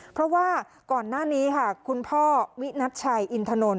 เพราะว่าก่อนหน้านี้ค่ะคุณพ่อวินัทชัยอินทนนท